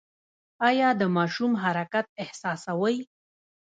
ایا د ماشوم حرکت احساسوئ؟